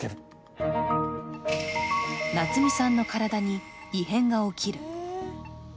夏美さんの体に異変が起きる。